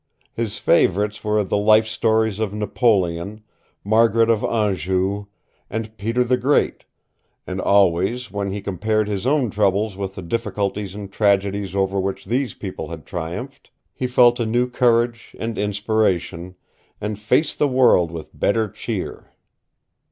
His favorites were the life stories of Napoleon, Margaret of Anjou, and Peter the Great, and always when he compared his own troubles with the difficulties and tragedies over which these people had triumphed he felt a new courage and inspiration, and faced the world with better cheer.